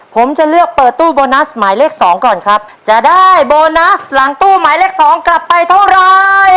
ผมจะเลือกเปิดตู้โบนัสหมายเลขสองก่อนครับจะได้โบนัสหลังตู้หมายเลขสองกลับไปเท่าไร